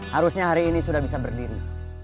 harusnya hari ini sudah bisa berdiri